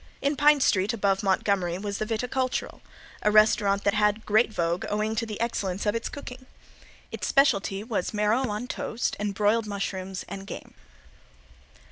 In Pine street above Montgomery was the Viticultural, a restaurant that had great vogue owing to the excellence of its cooking. Its specialty was marrow on toast and broiled mushrooms, and game.